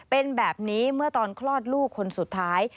เป็นแบบนี้เมื่อตอนคลอดลูกคนสุดท้าย